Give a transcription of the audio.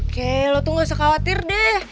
oke lo tuh gak usah khawatir deh